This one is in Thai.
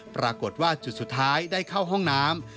ปรากฏว่าจุดสุดท้ายได้เข้าห้องน้ำ